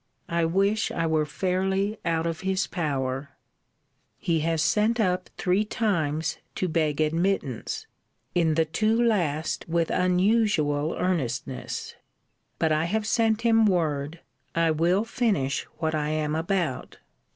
I wish I were fairly out of his power. * See Vol.I. Letters II. and III. He has sent up three times to beg admittance; in the two last with unusual earnestness. But I have sent him word, I will finish what I am about.